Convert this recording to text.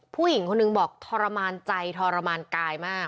ผู้หญิงคนหนึ่งบอกทรมานใจทรมานกายมาก